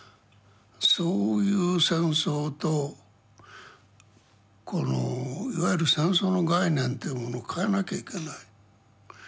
そういう戦争とこのいわゆる戦争の概念というものを変えなきゃいけない。